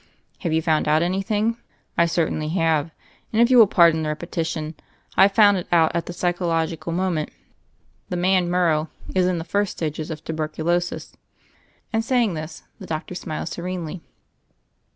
"Have you found out anything?" "I certainly have, and, if you will pardon the repetition, I have found it out at the psychologi cal moment : the man Morrow is in the first stages of tuberculosis." And saying this, the doctor smiled serenely.